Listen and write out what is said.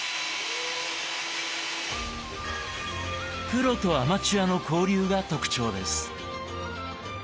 プロとアマチュアの交流が特徴です。